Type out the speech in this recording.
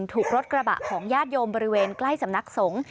ถูกรถกระบะของญาติโยมบริเวณใกล้สำนักสงฆ์